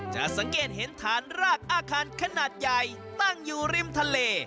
สังเกตเห็นฐานรากอาคารขนาดใหญ่ตั้งอยู่ริมทะเล